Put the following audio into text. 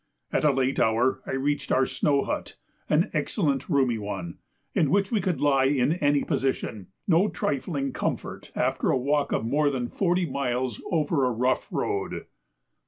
At a late hour I reached our snow hut, an excellent roomy one, in which we could lie in any position; no trifling comfort after a walk of more than forty miles over a rough road.